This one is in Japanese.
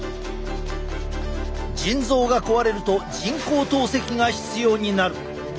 腎臓が壊れると人工透析が必要になる。